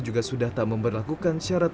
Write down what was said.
juga sudah tak memperlakukan syarat